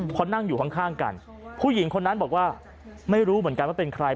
เพราะนั่งอยู่ข้างกันผู้หญิงคนนั้นบอกว่าไม่รู้เหมือนกันว่าเป็นใคร